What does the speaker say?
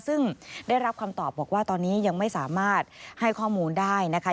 ซึ่งได้รับคำตอบบอกว่าตอนนี้ยังไม่สามารถให้ข้อมูลได้นะคะ